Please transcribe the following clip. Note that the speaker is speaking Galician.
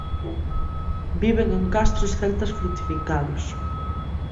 Viven en castros celtas fortificados.